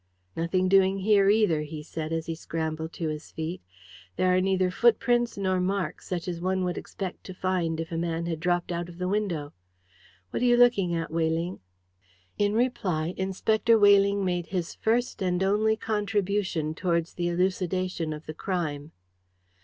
"Nothing doing here either," he said as he scrambled to his feet. "There are neither footprints nor marks such as one would expect to find if a man had dropped out of the window. What are you looking at, Weyling?" In reply Inspector Weyling made his first and only contribution towards the elucidation of the crime.